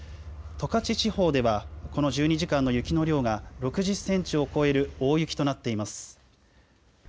十勝地方ではこの１２時間の雪の量が６０センチを超える大雪となっています。